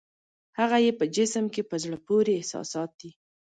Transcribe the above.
هغه یې په جسم کې په زړه پورې احساسات دي.